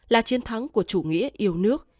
là chiến thắng của chủ nghĩa yêu nước